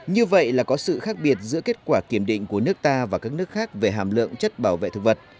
như vậy là có sự khác biệt giữa kết quả kiểm định của nước ta và các nước khác về hàm lượng chất bảo vệ thực vật